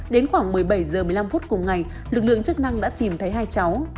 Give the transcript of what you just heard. đến khoảng một mươi bảy h một mươi năm phút cùng ngày lực lượng chức năng đã tìm thấy hai cháu